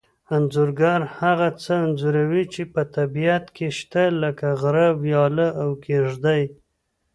انځورګر هغه څه انځوروي چې په طبیعت کې شته لکه غره ویاله او کېږدۍ